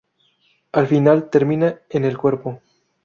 Al final termina en el cuerpo.